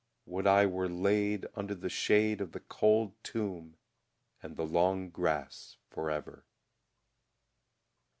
Would I were laid Under the shade Of the cold tomb, and the long grass forever!